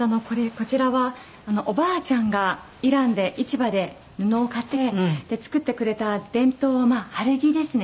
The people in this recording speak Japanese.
こちらはおばあちゃんがイランで市場で布を買って作ってくれた伝統の晴れ着ですね。